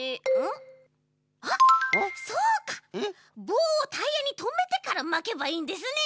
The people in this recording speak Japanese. ぼうをタイヤにとめてからまけばいいんですね！